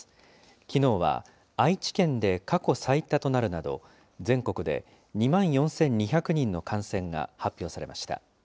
きのうは愛知県で過去最多となるなど、全国で２万４２００人の感染が発表されました。